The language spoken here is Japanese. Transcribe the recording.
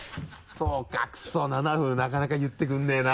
そうかクソ７分なかなか言ってくれないな。